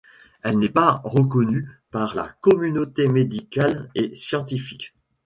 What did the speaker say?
Elle n'est pas reconnue par la communauté médicale et scientifique.